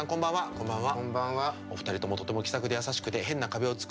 こんばんは。